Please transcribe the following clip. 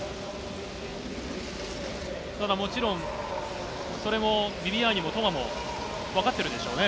ただもちろん、それもビビアーニもトマも分かってるでしょうね。